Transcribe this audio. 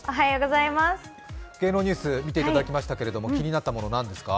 芸能ニュース、見ていただきましたけれども、気になったものは何ですか？